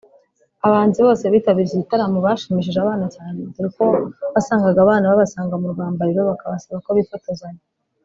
Abahanzi bose bitabiriye iki gitaramo bashimishije abana cyane dore ko wasangaga abana babasanga mu rwambariro bakabasaba ko bifotozanya